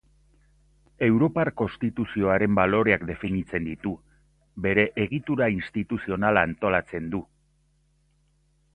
Europar konstituzioaren baloreak definitzen ditu, bere egitura instituzionala antolatzen du.